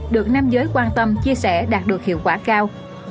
được nam giới quan tâm chia sẻ đạt được hiệu quả cao